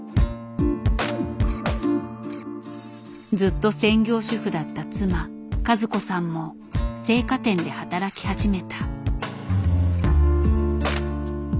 ずっと専業主婦だった妻和子さんも青果店で働き始めた。